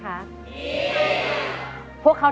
โทษให้